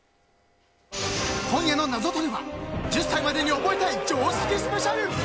今夜のナゾトレは１０歳までに覚えたい常識スペシャル。